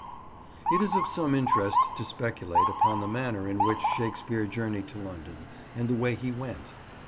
It is of some interest to speculate upon the manner in which Shakespeare journeyed to London, and the way he went.